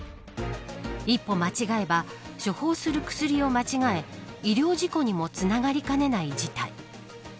一歩間違えば処方する薬を間違え医療事故にもつながりかねない事態。